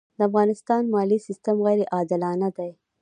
د افغانستان د مالیې سېستم غیرې عادلانه دی.